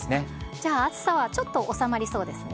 じゃあ、暑さはちょっと収まりそうですね。